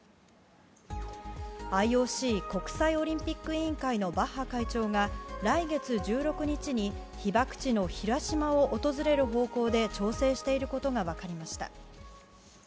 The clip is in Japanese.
ＩＯＣ・国際オリンピック委員会のバッハ会長が来月１６日に被爆地の広島を訪れる方向で調整していることが分かりました。